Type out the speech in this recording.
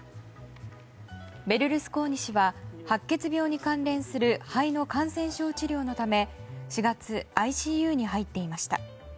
ベルルスコーニ氏は白血病に関連する肺の感染症治療のため４月、ＩＣＵに入っていました。